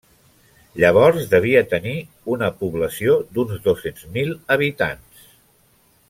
Llavors devia tenir una població d'uns dos-cents mil habitants.